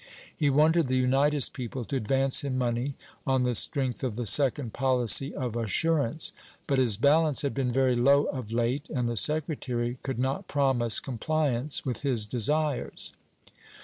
He wanted the Unitas people to advance him money on the strength of the second policy of assurance; but his balance had been very low of late, and the secretary could not promise compliance with his desires.